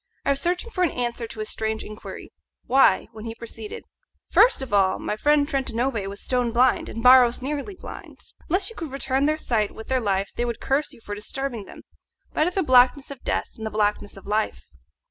I was searching for an answer to his strange inquiry, "Why?" when he proceeded, "First of all, my friend Trentanove was stone blind, and Barros nearly blind. Unless you could return them their sight with their life they would curse you for disturbing them. Better the blackness of death than the blackness of life."